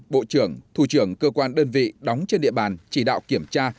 bộ trưởng thủ trưởng cơ quan đơn vị đóng trên địa bàn chỉ đạo kiểm tra